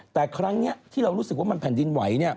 แต่ครั้งนี้ที่เรารู้สึกว่ามันแผ่นดินไหว